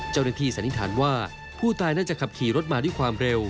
สันนิษฐานว่าผู้ตายน่าจะขับขี่รถมาด้วยความเร็ว